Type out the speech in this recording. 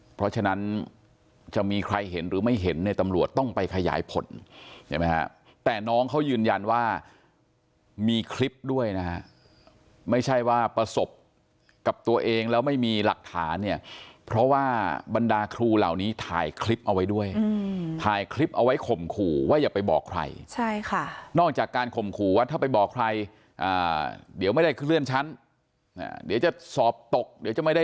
เพราะฉะนั้นจะมีใครเห็นหรือไม่เห็นเนี่ยตำรวจต้องไปขยายผลใช่ไหมฮะแต่น้องเขายืนยันว่ามีคลิปด้วยนะฮะไม่ใช่ว่าประสบกับตัวเองแล้วไม่มีหลักฐานเนี่ยเพราะว่าบรรดาครูเหล่านี้ถ่ายคลิปเอาไว้ด้วยถ่ายคลิปเอาไว้ข่มขู่ว่าอย่าไปบอกใครใช่ค่ะนอกจากการข่มขู่ว่าถ้าไปบอกใครเดี๋ยวไม่ได้เคลื่อนชั้นเดี๋ยวจะสอบตกเดี๋ยวจะไม่ได้